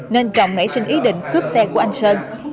nên trọng hãy xin ý định cướp xe của anh sơn